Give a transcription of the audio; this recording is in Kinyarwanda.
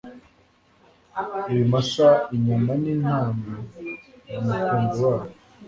Ibimasa inyana nintama ni umukumbi wabo